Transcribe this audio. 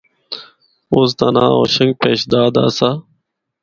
اس دا ناں’ہوشنگ پیشداد‘ آسا۔